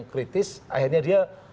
kritis akhirnya dia